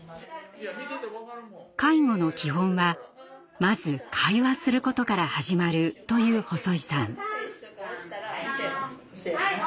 介護の基本はまず会話することから始まると言う細井さん。